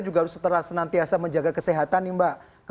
juga harus senantiasa menjaga kesehatan nih mbak